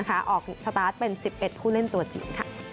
กล้าวอานันต์ออกสตาร์ทเป็น๑๑ผู้เล่นตัวจีน